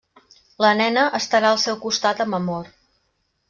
La nena estarà al seu costat amb amor.